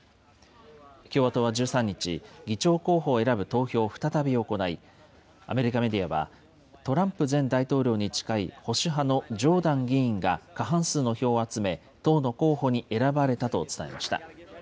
共和党は１３日、議長候補を選ぶ投票を再び行い、アメリカメディアは、トランプ前大統領に近い保守派のジョーダン議員が過半数の票を集め、党の候補に選ばれたと伝えました。